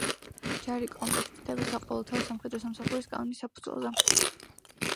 ჯარი კომპლექტდება საყოველთაო სამხედრო სამსახურის კანონის საფუძველზე.